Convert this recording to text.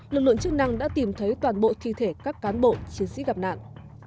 lực lượng chức năng đã tìm thấy toàn bộ thi thể các cán bộ chiến sĩ gặp nạn